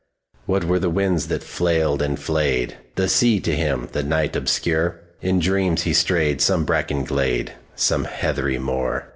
What were the winds that flailed and flayedThe sea to him, the night obscure? In dreams he strayed some brackened glade, Some heathery moor.